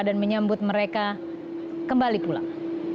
dan menyambut mereka kembali pulang